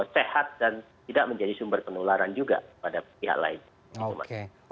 sehat dan tidak menjadi sumber penularan juga pada pihak lain